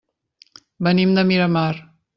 Venim de Miramar.